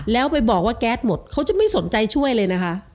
แล้วไปบอกว่าแก๊สหมดเขาจะไม่สนใจช่วยเลยนะคะ